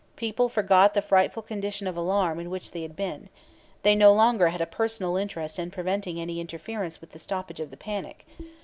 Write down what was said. People forgot the frightful condition of alarm in which they had been. They no longer had a personal interest in preventing any interference with the stoppage of the panic.